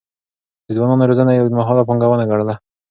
د ځوانانو روزنه يې اوږدمهاله پانګونه ګڼله.